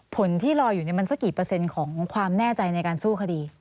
ผลที่รออยู่มันสักกี่เปอร์เซ็นต์ของความแน่ใจในการสู้คดี